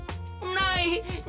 ない！